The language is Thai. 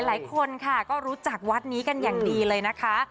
หลายคนค่ะก็รู้จักวัดนี้กันอย่างดีเลยนะคะ